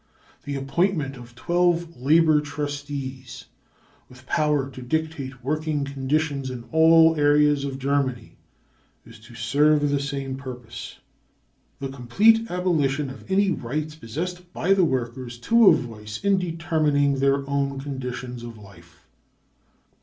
The appointment of twelve " Labour Trustees " with power to dictate working conditions in all areas of Germany is to serve the same purpose : the complete abolition of any rights possessed by the workers to a voice in determining their own conditions of life.